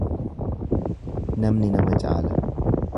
Namni nama caala.